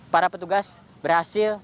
para petugas berhasil